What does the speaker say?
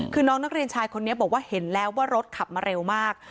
คือน้องนักเรียนชายคนนี้บอกว่าเห็นแล้วว่ารถขับมาเร็วมาก